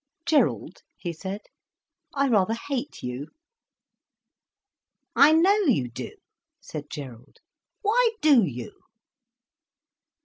"Gerald," he said, "I rather hate you." "I know you do," said Gerald. "Why do you?"